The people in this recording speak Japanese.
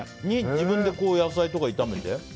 自分で野菜とか炒めて？